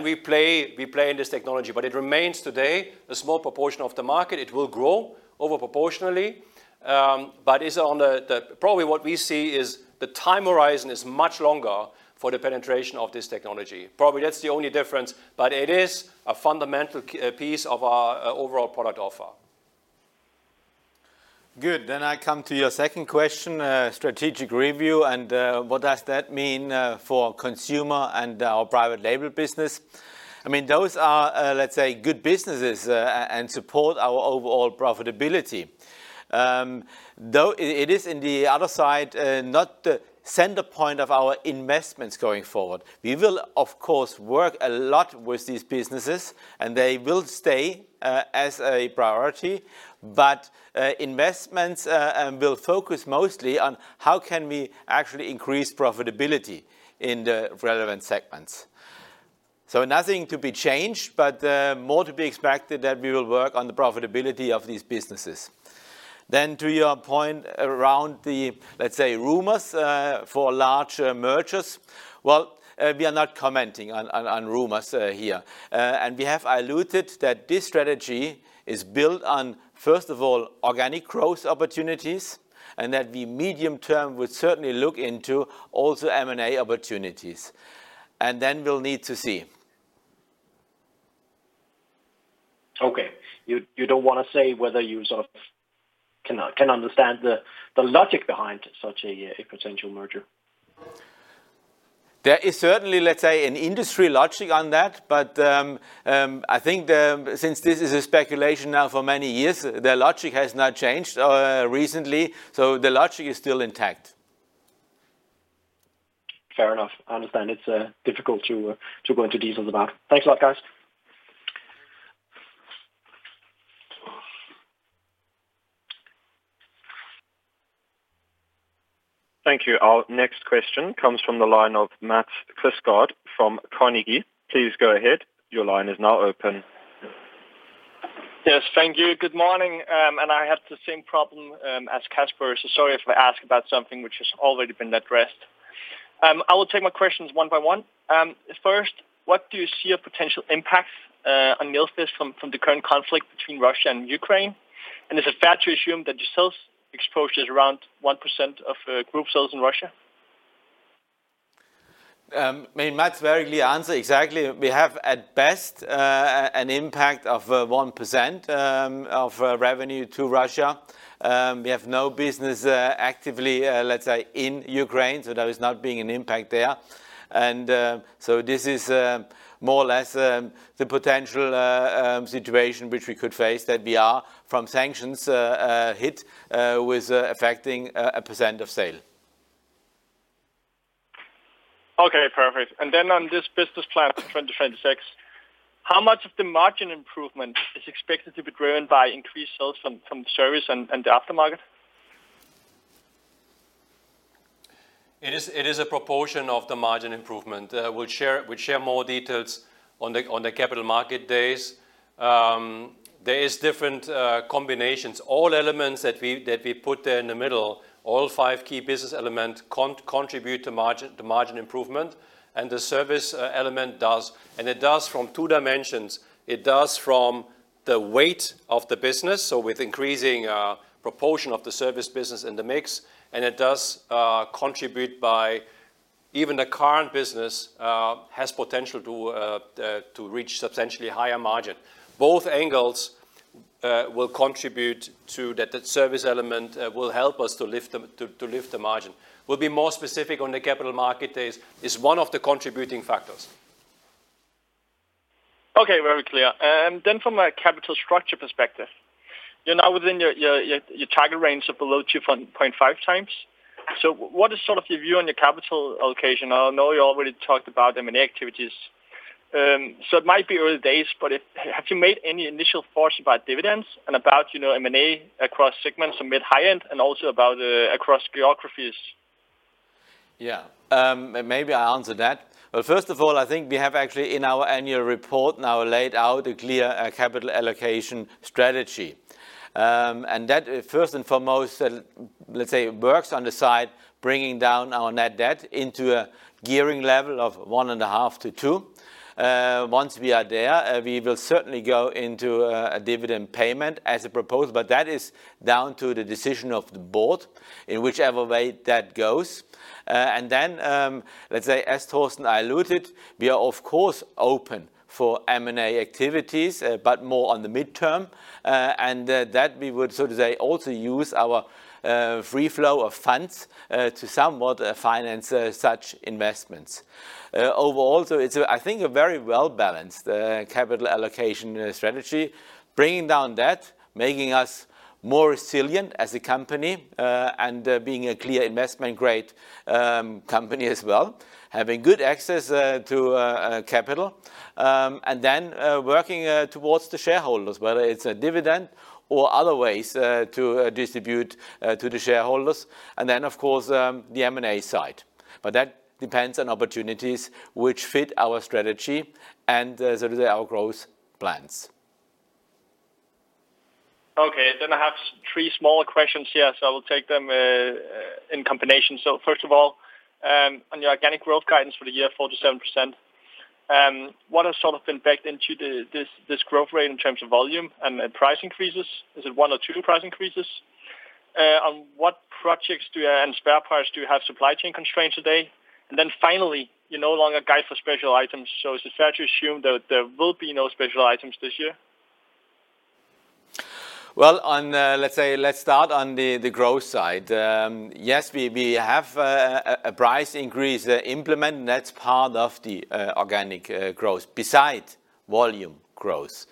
We play in this technology, but it remains today a small proportion of the market. It will grow over proportionally, but probably what we see is the time horizon is much longer for the penetration of this technology. Probably that's the only difference, but it is a fundamental piece of our overall product offer. Good. I come to your second question, strategic review, and what does that mean for consumer and our private label business? I mean, those are, let's say, good businesses and support our overall profitability. Though it is in the other side, not the center point of our investments going forward. We will, of course, work a lot with these businesses, and they will stay as a priority, but investments will focus mostly on how can we actually increase profitability in the relevant segments. Nothing to be changed, but more to be expected that we will work on the profitability of these businesses. To your point around the, let's say, rumors for large mergers. Well, we are not commenting on rumors here. We have alluded that this strategy is built on, first of all, organic growth opportunities and that the medium term would certainly look into also M&A opportunities. Then we'll need to see. Okay. You don't wanna say whether you sort of can understand the logic behind such a potential merger? There is certainly, let's say, an industry logic on that. I think, since this is a speculation now for many years, the logic has not changed recently, so the logic is still intact. Fair enough. I understand it's difficult to go into details about. Thanks a lot, guys. Thank you. Our next question comes from the line of Mads Quistgaard from Carnegie. Please go ahead. Your line is now open. Yes. Thank you. Good morning. I have the same problem as Casper. Sorry if I ask about something which has already been addressed. I will take my questions one by one. First, what do you see as a potential impact on Nilfisk from the current conflict between Russia and Ukraine? And is it fair to assume that your sales exposure is around 1% of group sales in Russia? I mean, Mads, very clear answer. Exactly. We have at best an impact of 1% of revenue to Russia. We have no business actively, let's say, in Ukraine, so there is no impact there. This is more or less the potential situation which we could face that we are hit by sanctions affecting 1% of sales. Okay. Perfect. On this Business Plan 2026, how much of the margin improvement is expected to be driven by increased sales from service and the aftermarket? It is a proportion of the margin improvement. We'll share more details on the Capital Markets Day. There is different combinations. All elements that we put there in the middle, all five key business elements contribute to the margin improvement, and the service element does. It does from two dimensions. It does from the weight of the business, so with increasing proportion of the service business in the mix, and it does contribute by even the current business has potential to reach substantially higher margin. Both angles will contribute to that. The service element will help us to lift them, to lift the margin. We'll be more specific on the Capital Markets Day. It's one of the contributing factors. Okay. Very clear. Then from a capital structure perspective, you're now within your target range of below 2.5x. What is sort of your view on your capital allocation? I know you already talked about M&A activities. It might be early days, but have you made any initial thoughts about dividends and about, you know, M&A across segments from mid high-end and also about across geographies? Yeah. Maybe I answer that. Well, first of all, I think we have actually in our annual report now laid out a clear, capital allocation strategy. That first and foremost, let's say, works on the side, bringing down our net debt into a gearing level of 1.5x-2x. Once we are there, we will certainly go into, a dividend payment as a proposal, but that is down to the decision of the board in whichever way that goes. Let's say as Torsten alluded, we are of course open for M&A activities, but more on the mid-term. That we would, so to say, also use our, free cash flow, to somewhat finance, such investments. Overall, so it's, I think, a very well-balanced capital allocation strategy, bringing down debt, making us more resilient as a company, and being a clear investment grade company as well. Having good access to capital. Working towards the shareholders, whether it's a dividend or other ways to distribute to the shareholders. Of course, the M&A side. That depends on opportunities which fit our strategy and so do our growth plans. Okay. I have three smaller questions here, so I will take them in combination. First of all, on your organic growth guidance for the year, 4%-7%, what has sort of been baked into this growth rate in terms of volume and price increases? Is it one or two price increases? On what projects and spare parts do you have supply chain constraints today? And then finally, you no longer guide for special items. Is it fair to assume that there will be no special items this year? Well, let's start on the growth side. Yes, we have a price increase implemented, and that's part of the organic growth besides volume growth.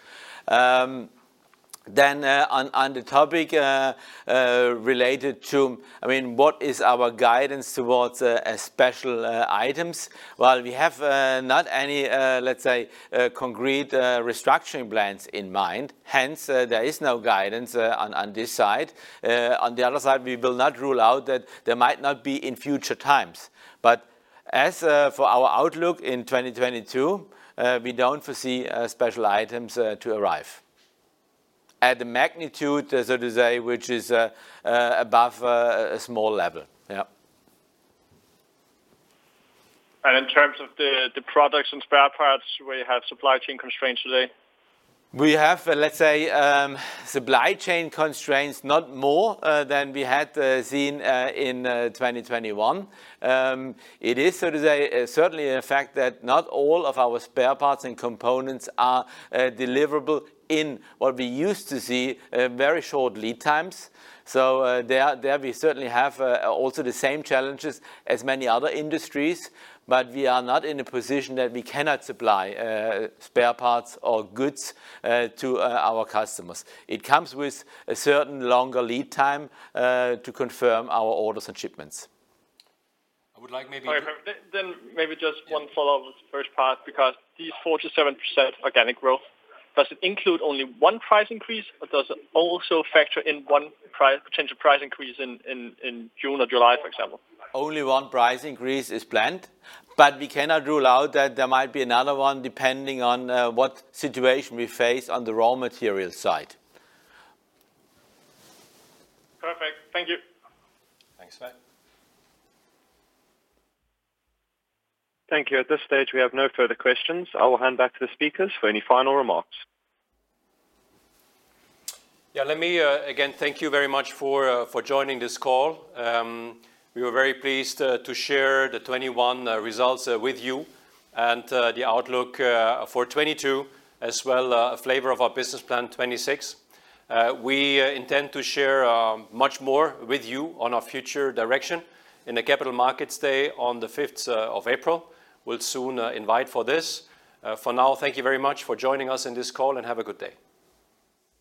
On the topic related to, I mean, what is our guidance towards special items? Well, we have not any, let's say, concrete restructuring plans in mind. Hence, there is no guidance on this side. On the other side, we will not rule out that there might not be in future times. As for our outlook in 2022, we don't foresee special items to arrive at the magnitude, so to say, which is above a small level. Yeah. In terms of the products and spare parts, where you have supply chain constraints today? We have, let's say, supply chain constraints, not more than we had seen in 2021. It is, so to say, certainly a fact that not all of our spare parts and components are deliverable in what we used to see very short lead times. There we certainly have also the same challenges as many other industries. We are not in a position that we cannot supply spare parts or goods to our customers. It comes with a certain longer lead time to confirm our orders and shipments. I would like maybe. All right. Maybe just one follow-up with the first part, because these 4%-7% organic growth, does it include only one price increase or does it also factor in one potential price increase in June or July, for example? Only one price increase is planned, but we cannot rule out that there might be another one depending on what situation we face on the raw material side. Perfect. Thank you. Thanks, mate. Thank you. At this stage, we have no further questions. I will hand back to the speakers for any final remarks. Yeah, let me again thank you very much for joining this call. We were very pleased to share the 2021 results with you and the outlook for 2022, as well, a flavor of our Business Plan 2026. We intend to share much more with you on our future direction in the Capital Markets Day on the 5th of April. We'll soon invite for this. For now, thank you very much for joining us in this call, and have a good day.